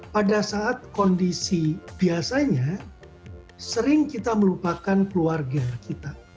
pada saat kondisi biasanya sering kita melupakan keluarga kita